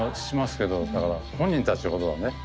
だから本人たちほどはね